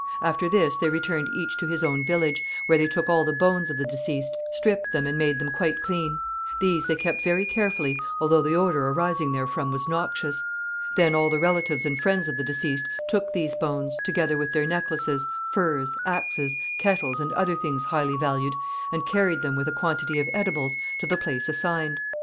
After this they returned each to his own village, where they took all the bones of the deceased, stripped them and made them quite clean. These they kept very carefully, although the odour arising therefrom was noxious. Then all the relatives and friends of the deceased took these bones, together with their necklaces, furs, axes, kettles, and other things highly valued, and carried them, with a quantity of edibles, to the place assigned.